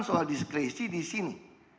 soal diskresi disini